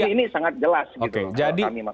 jadi ini sangat jelas gitu kalau kami masukin